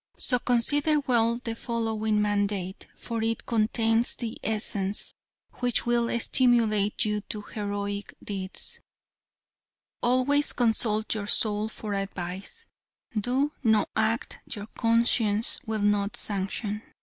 So consider well the following mandate, for it contains the essence which will stimulate you to heroic deeds: "Always consult your soul for advice, "Do no act your conscience will not sanction."